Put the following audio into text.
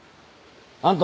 あんた